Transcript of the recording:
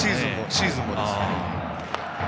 シーズンもです。